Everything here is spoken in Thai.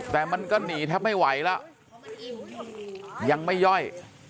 แต่มันก็หนีแทบไม่ไหวแล้วยังไม่ย่อย